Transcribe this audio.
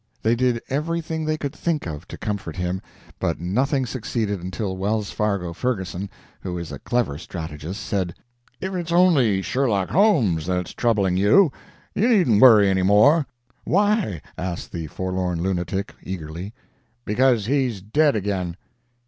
They did everything they could think of to comfort him, but nothing succeeded until Wells Fargo Ferguson, who is a clever strategist, said, "If it's only Sherlock Holmes that's troubling you, you needn't worry any more." "Why?" asked the forlorn lunatic, eagerly. "Because he's dead again."